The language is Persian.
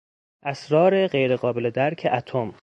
اسرار غیرقابل درک اتم